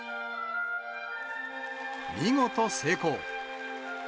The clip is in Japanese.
見事成功。